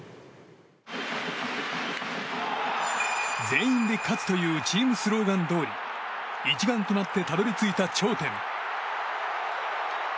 「全員で勝つ」というチームスローガンどおり一丸となってたどり着いた頂点。